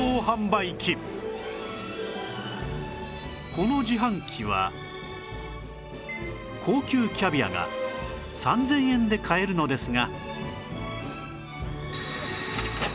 この自販機は高級キャビアが３０００円で買えるのですが